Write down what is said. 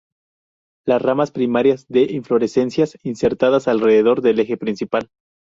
Las ramas primarias de inflorescencias insertadas alrededor del eje principal.